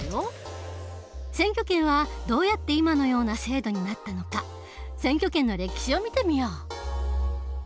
選挙権はどうやって今のような制度になったのか選挙権の歴史を見てみよう。